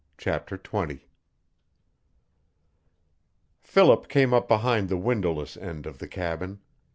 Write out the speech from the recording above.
CHAPTER XX Philip came up behind the windowless end of the cabin.